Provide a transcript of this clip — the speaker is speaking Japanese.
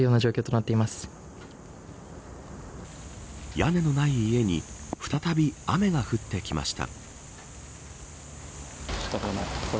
屋根のない家に再び雨が降ってきました。